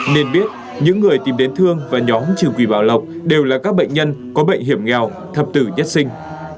nên biết những người tìm đến thương và nhóm trừ quỷ bảo lộc đều là các bệnh nhân có bệnh hiểm nghèo thập tử nhất sinh